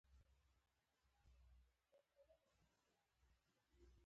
پنبه ارزښتناک صادرات وو.